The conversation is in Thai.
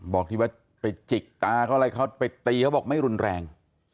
บอกที่ว่าไปจิกตาเขาอะไรเขาไปตีเขาบอกไม่รุนแรง